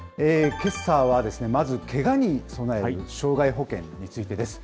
けさはまずけがに備える傷害保険についてです。